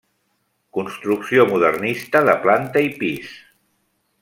Construcció modernista de planta i pis.